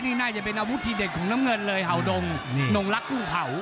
นี่น่าจะเป็นอาวุธทีเด็ดของน้ำเงินเลยเห่าดงนงลักษุ้งเผา